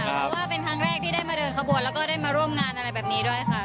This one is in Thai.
เพราะว่าเป็นครั้งแรกที่ได้มาเดินขบวนแล้วก็ได้มาร่วมงานอะไรแบบนี้ด้วยค่ะ